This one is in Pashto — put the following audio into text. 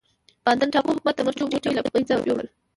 بانتن ټاپو حکومت د مرچو بوټي له منځه یووړل.